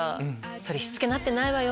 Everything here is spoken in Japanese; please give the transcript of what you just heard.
それしつけなってないわよ！